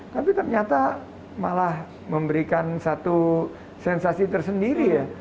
tapi ternyata malah memberikan satu sensasi tersendiri ya